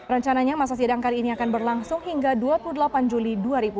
rencananya masa sidang kali ini akan berlangsung hingga dua puluh delapan juli dua ribu dua puluh